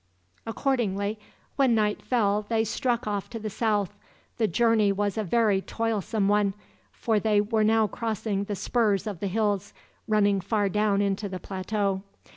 Accordingly, when night fell they struck off to the south. The journey was a very toilsome one, for they were now crossing the spurs of the hills, running far down into the plateau.